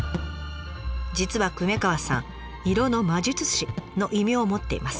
実は久米川さん「色の魔術師」の異名を持っています。